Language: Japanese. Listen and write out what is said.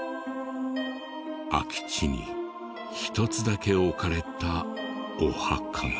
空き地に１つだけ置かれたお墓が。